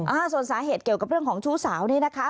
อ่าส่วนสาเหตุเกี่ยวกับเรื่องของชู้สาวนี่นะคะ